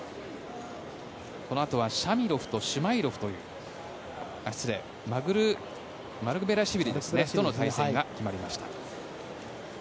このあとはシュマイロフとマルクベラシュビリとの対戦が決まりました。